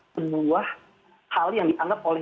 sebuah hal yang dianggap oleh